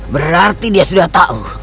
berarti dia sudah tahu